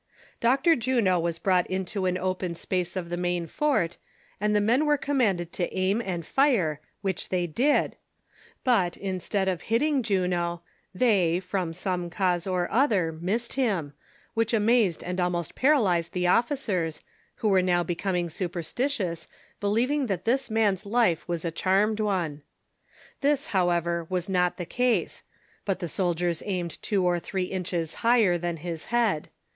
Dr. Juno Avas brought into an open space of the main fort, and the men were commanded to aim and fire, which they did ; but instead of hitting Juno they, from some cause or other, missed him, which amazed and almost paralyzed the officers, Avho were now oecoming sui>ersti tious, believing that tliis man's life was a charmed one. This, however, was not the case ; but the soldiers aimed two or three inches higher than Iiis head.